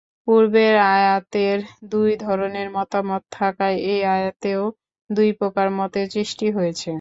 পূর্বের আয়াতের দুই ধরনের মতামত থাকায় এ আয়াতেও দুই প্রকার মতের সৃষ্টি হয়েছে।